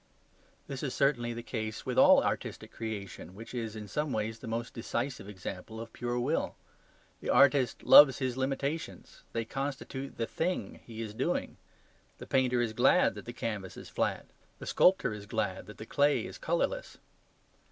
This is certainly the case with all artistic creation, which is in some ways the most decisive example of pure will. The artist loves his limitations: they constitute the THING he is doing. The painter is glad that the canvas is flat. The sculptor is glad that the clay is colourless.